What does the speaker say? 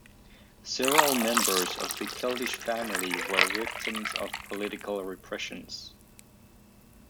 Several members of the Keldysh family were victims of political repressions.